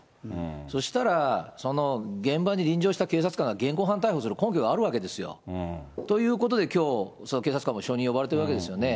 そしたら、現場に臨場した警察官が現行犯逮捕する根拠があるわけですよ。というわけできょう、警察官も証人に呼ばれてるわけですよね。